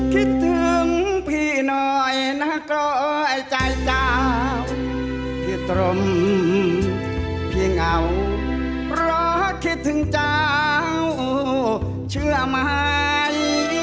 คิดถึงพี่หน่อยนะกรอยใจเจ้าที่ตรงพี่เหงาเพราะคิดถึงเจ้าเชื่อไหม